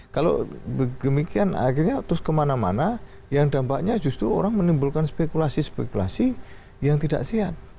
kalau demikian akhirnya terus kemana mana yang dampaknya justru orang menimbulkan spekulasi spekulasi yang tidak sehat